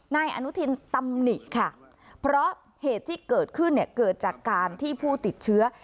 นายอนุทินตำหนิค่ะเพราะเหตุที่เกิดขึ้นเนี่ยเกิดจากการที่ผู้ติดเชื้อ